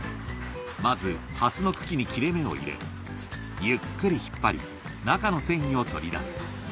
まずハスの茎に切れ目を入れ、ゆっくり引っ張り、中の繊維を取り出す。